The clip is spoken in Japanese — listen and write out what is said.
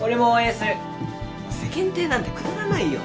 世間体なんてくだらないよ。